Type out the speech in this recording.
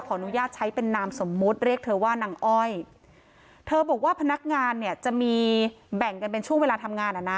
อนุญาตใช้เป็นนามสมมุติเรียกเธอว่านางอ้อยเธอบอกว่าพนักงานเนี่ยจะมีแบ่งกันเป็นช่วงเวลาทำงานอ่ะนะ